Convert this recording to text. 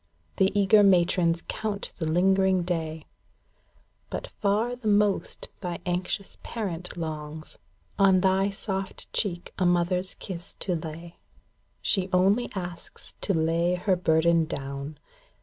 The eager matrons count the lingering day ; But far the most thy anxious parent longs On thy soft cheek a mother's kiss to lay. She only asks to lay her burden down.